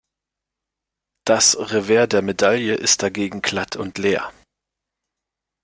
Das Revers der Medaille ist dagegen glatt und leer.